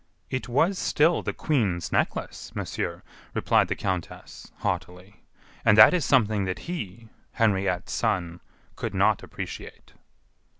"It was still the Queen's Necklace, monsieur," replied the countess, haughtily, "and that is something that he, Henriette's son, could not appreciate."